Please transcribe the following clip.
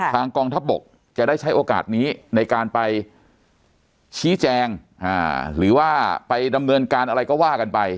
กองทัพบกจะได้ใช้โอกาสนี้ในการไปชี้แจงหรือว่าไปดำเนินการอะไรก็ว่ากันไป